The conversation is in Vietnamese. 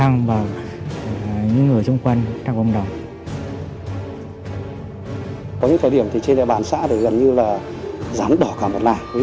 có những thời điểm thì trên đại bản xã thì gần như là rán đỏ cả mặt này